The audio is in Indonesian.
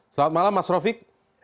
selamat malam mas rofik